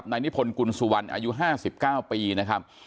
นายนิพนคุณสุวรรค์อายุ๕๙ปีนะครับ